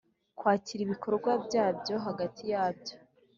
Kwakira ibikorwa byabyo hagati yabyo